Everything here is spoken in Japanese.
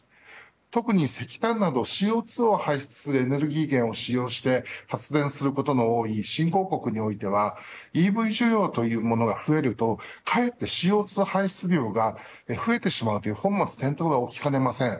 特に石炭などＣＯ２を排出するエネルギー源を使用して発電することの多い新興国においてはＥＶ需要というものが増えるとかえってＣＯ２排出量が増えてしまうという本末転倒が起きかねません。